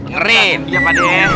keren dia pak deh